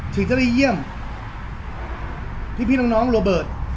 ถึงจะได้เยี่ยมพี่น้องโรเบิร์ต